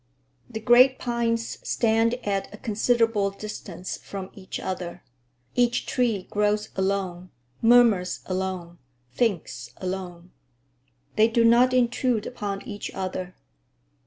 The great pines stand at a considerable distance from each other. Each tree grows alone, murmurs alone, thinks alone. They do not intrude upon each other.